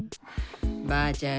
ばあちゃん